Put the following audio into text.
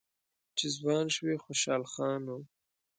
چې ځوان شوی خوشحال خان و